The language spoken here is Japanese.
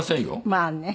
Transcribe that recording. まあね。